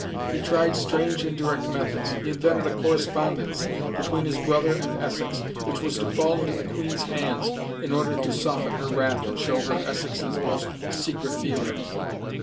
He tried strange indirect methods; he invented a correspondence between his brother and Essex, which was to fall into the Queen's hands in order to soften her wrath and show her Essex's most secret feelings.